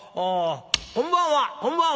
「こんばんはこんばんは」。